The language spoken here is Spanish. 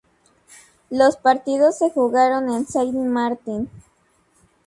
Los partidos se jugaron en Saint Martin.